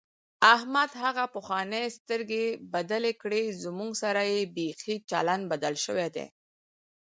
احمد هغه پخوانۍ سترګې بدلې کړې، زموږ سره یې بیخي چلند بدل شوی دی.